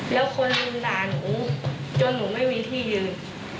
แล้วคนรุมด่าหนูจนหนูไม่มีที่ยืน